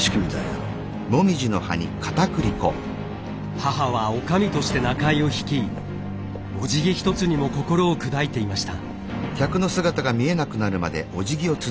母はおかみとして仲居を率いおじぎ一つにも心を砕いていました。